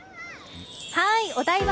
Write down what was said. お台場